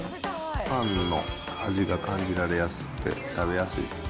パンの味が感じられやすくて、食べやすいかな。